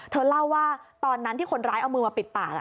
เธอเล่าว่าตอนนั้นที่คนร้ายเอามือมาปิดปาก